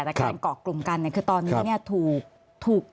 แต่แกล้งเกาะกลุ่มกันคือตอนนี้ถูก